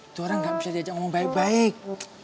itu orang nggak bisa diajak ngomong baik baik